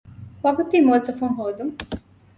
ވަގުތީ މުވައްޒަފުން ހޯދުން